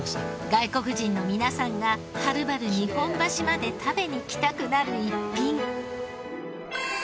外国人の皆さんがはるばる日本橋まで食べに来たくなる一品。